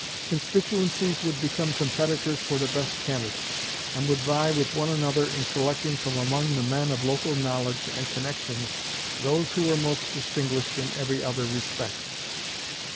Constituencies would become competitors for the best candidates, and would vie with one another in selecting from among the men of local knowledge and connections those who were most distinguished in every other respect.